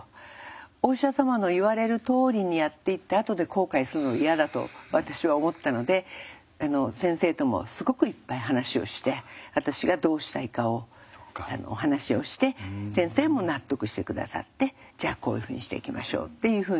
お医者様の言われるとおりにやっていってあとで後悔するの嫌だと私は思ったので先生ともすごくいっぱい話をして私がどうしたいかをお話をして先生も納得して下さってじゃあこういうふうにしていきましょうっていうふうに。